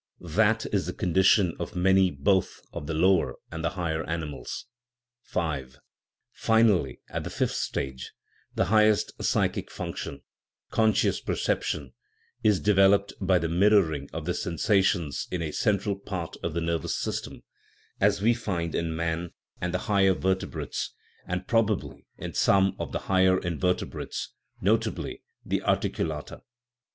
That is the condition of many both of the lower and the higher animals. V. Finally, at the fifth stage, the highest psychic function, conscious perception, is developed by the mir roring of the sensations in a central part of the nervous system, as we find in man and the higher vertebrates, and probably in some of the higher invertebrates, not ably the articulata.